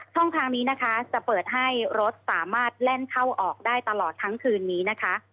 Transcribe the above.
ทางนี้นะคะจะเปิดให้รถสามารถแล่นเข้าออกได้ตลอดทั้งคืนนี้นะคะ